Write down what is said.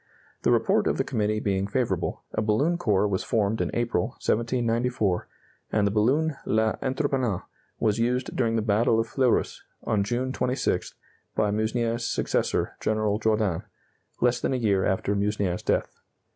The report of the committee being favorable, a balloon corps was formed in April, 1794, and the balloon L'Entreprenant was used during the battle of Fleurus, on June 26th, by Meusnier's successor, General Jourdan, less than a year after Meusnier's death.